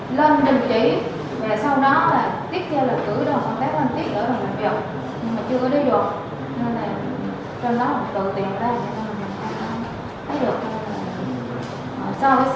nó tiếp theo là cử đồng công tác lên tỉnh để làm việc nhưng mà chưa có đưa được